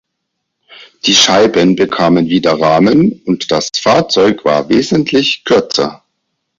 Die Scheiben bekamen wieder Rahmen, und das Fahrzeug war wesentlich kürzer.